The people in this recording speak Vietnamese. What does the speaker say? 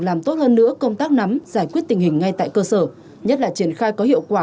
làm tốt hơn nữa công tác nắm giải quyết tình hình ngay tại cơ sở nhất là triển khai có hiệu quả